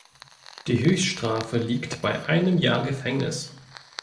Die Höchststrafe liegt bei einem Jahr Gefängnis.